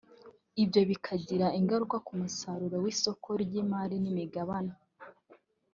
ibyo bikagira ingaruka ku musaruro w’isoko ry’imari n’imigabane